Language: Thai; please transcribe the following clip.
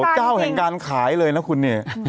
เจ้าแห่งการขายเลยนะคุณเนี่ย